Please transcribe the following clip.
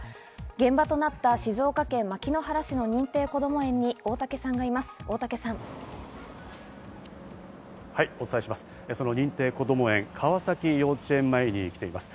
現場となった静岡県牧之原市の認定こども園に大竹さんがいます。